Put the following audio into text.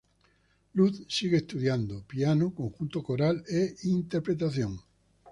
Luz sigue estudiando: piano, conjunto coral e interpretación.